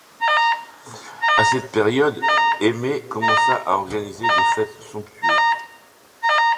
À cette période, Aimée commença à organiser des fêtes somptueuses.